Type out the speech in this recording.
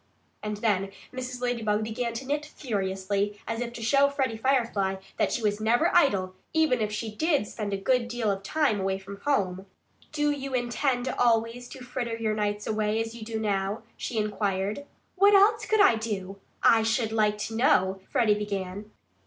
And then Mrs. Ladybug began to knit furiously, as if to show Freddie Firefly that she was never idle, even if she did spend a good deal of time away from home. "Do you intend always to fritter your nights away as you do now?" she inquired. "What else could I do? I should like to know " Freddie began.